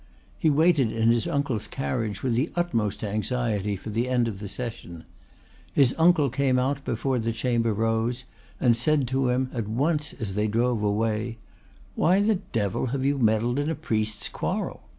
He waited in his uncle's carriage with the utmost anxiety for the end of the session. His uncle came out before the Chamber rose, and said to him at once as they drove away: "Why the devil have you meddled in a priest's quarrel?